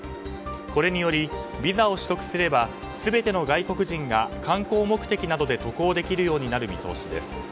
これによりビザを取得すれば全ての外国人が観光目的などで渡航できるようになる見通しです。